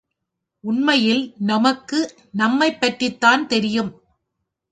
உண்மையில் நமக்கு நம்மைப் பற்றித்தான் தெரியும்.